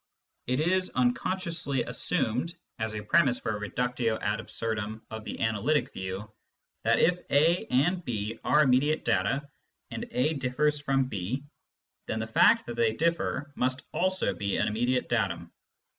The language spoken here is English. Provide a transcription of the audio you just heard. It is unconsciously assumed, as a premiss for a reductio ad absurdum of the analytic view, that, if A and B are immediate data, and A differs from B, then the fact that they differ must also be an immediate datum.